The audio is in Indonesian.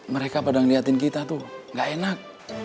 mereka pada niatin kita tuh gak enak